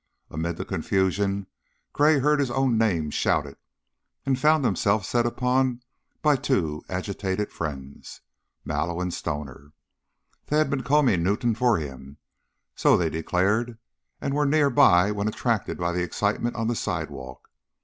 Amid the confusion Gray heard his own name shouted, and found himself set upon by two agitated friends, Mallow and Stoner. They had been combing Newtown for him, so they declared, and were near by when attracted by the excitement on the sidewalk.